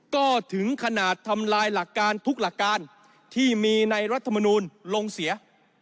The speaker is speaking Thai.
ก็ถึงขนาดทำลายหลักการทุกหลักการที่มีในรัฐมนูลลงเสีย